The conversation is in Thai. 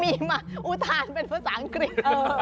เดี๋ยวโอ้โหมีอุทานเป็นภาษาอังกฤษ